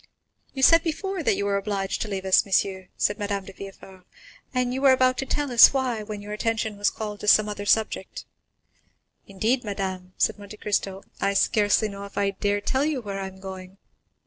"You said before that you were obliged to leave us, monsieur," said Madame de Villefort, "and you were about to tell us why when your attention was called to some other subject." "Indeed madame," said Monte Cristo: "I scarcely know if I dare tell you where I am going."